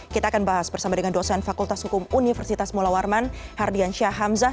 kita akan bahas bersama dengan dosen fakultas hukum universitas mula warman hardiansyah hamzah